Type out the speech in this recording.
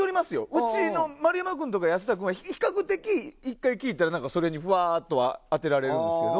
うちの丸山君とか安田君は比較的１回聴いたらそれにふわっとは当てられるんですけど。